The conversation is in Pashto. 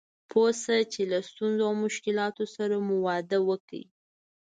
پوه شه چې له ستونزو او مشکلاتو سره مو واده وکړ.